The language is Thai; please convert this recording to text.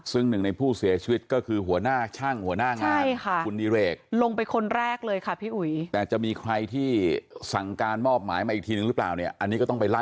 ซึ่งหนึ่งในผู้เสียชีวิตก็คือหัวหน้าช่างหัวหน้างาน